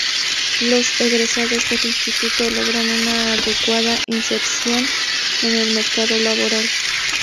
Los egresados del Instituto logran una adecuada inserción en el mercado laboral.